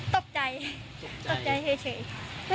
ตกใจเฉย